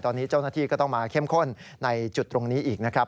ตอนนี้เจ้าหน้าที่ก็ต้องมาเข้มข้นในจุดตรงนี้อีกนะครับ